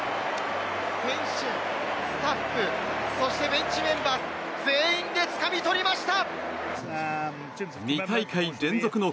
選手、スタッフそしてベンチメンバー全員でつかみとりました！